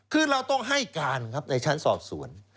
คือเราต้องให้การครับในชั้นสอบสวน